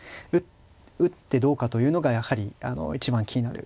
打ってどうかというのがやはり一番気になる